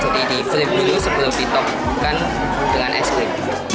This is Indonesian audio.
jadi di flip dulu sebelum ditop bukan dengan es krim